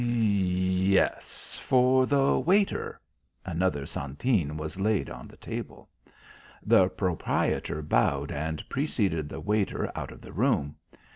"Ye e es, for the waiter." Another centene was laid on the table. The proprietor bowed and preceded the waiter out of the room.